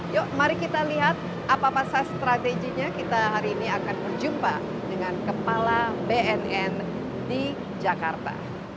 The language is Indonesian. yuk mari kita lihat apa apa saja strateginya kita hari ini akan berjumpa dengan kepala bnn di jakarta